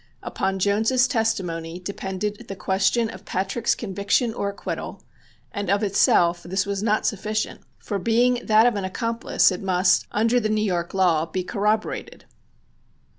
Upon Jones's testimony depended the question of Patrick's conviction or acquittal, and of itself this was not sufficient, for being that of an accomplice it must, under the New York law, be corroborated.